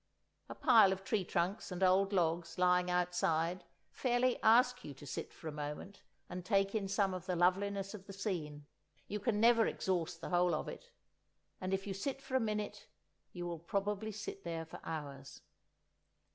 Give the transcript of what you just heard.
A pile of tree trunks and old logs lying outside fairly ask you to sit for a moment and take in some of the loveliness of the scene—you can never exhaust the whole of it—and if you sit for a minute you will probably sit there for hours.